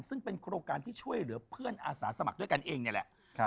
ซึ่งเป็นโครงการที่ช่วยเหลือเพื่อนอาสาสมัครด้วยกันเองนี่แหละ